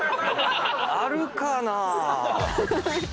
あるかな？